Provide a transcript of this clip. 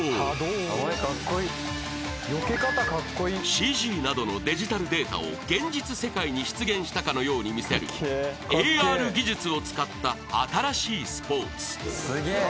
［ＣＧなどのデジタルデータを現実世界に出現したかのように見せるＡＲ技術を使った新しいスポーツ］